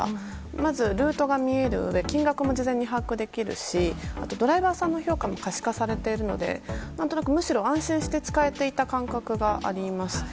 まず、ルートが見えるので金額も事前に把握できるしあとドライバーさんの評価も可視化されているのでむしろ安心して使えていた感覚があります。